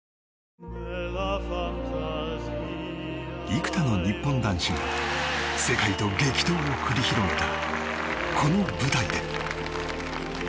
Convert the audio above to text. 幾多の日本男子が、世界と激闘を繰り広げたこの舞台で。